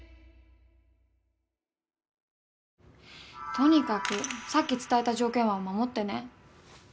とにかくさっき伝えた条件は守ってね。